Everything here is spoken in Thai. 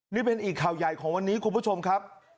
นี่เป็นอีกข่าวใหญ่ของวันนี้คุณผู้ชมครับ